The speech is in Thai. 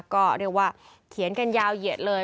ก็เรียกว่าเขียนกันยาวเหยียดเลย